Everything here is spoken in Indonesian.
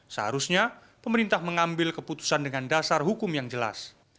seharusnya pemerintah mengambil keputusan dengan dasar hukum yang jelas